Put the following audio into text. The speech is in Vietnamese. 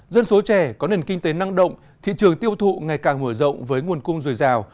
dân số trẻ có nền kinh tế năng động thị trường tiêu thụ ngày càng mở rộng với nguồn cung dồi dào